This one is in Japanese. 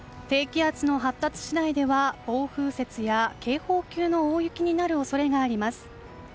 低気圧の発達次第では暴風雪や警報級の大雪になる恐れがあります。